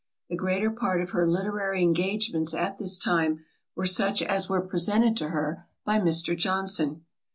The greater part of her literary engagements at this time, were such as were presented to her by Mr. Johnson.